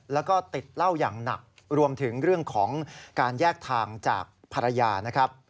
แล้วก็ติดเหล้าอย่างหนักรวมถึงเรื่องของการแยกทางจากภรรยานะครับ